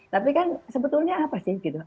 tapi kan sebetulnya apa sih gitu